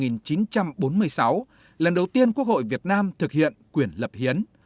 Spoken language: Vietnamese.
năm một nghìn chín trăm bốn mươi sáu lần đầu tiên quốc hội việt nam thực hiện quyền lập hiến